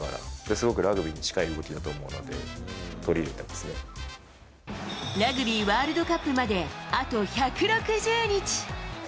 すごくラグビーに近い動きだと思ラグビーワールドカップまで、あと１６０日。